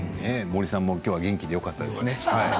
森さんもきょうは元気でよかったですね。